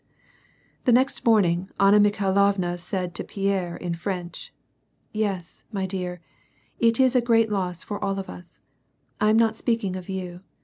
The next morning, Anna Mikhailovna said to Pierre in French, —" Yes, my dear, it is a great loss for all of us. I am not speaking of you.